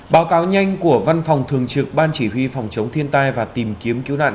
báo cáo nhanh của văn phòng thường trực ban chỉ huy phòng chống thiên tai và tìm kiếm cứu nạn